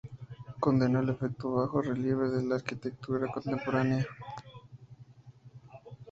Condenó el efecto de bajo relieve de la arquitectura contemporánea.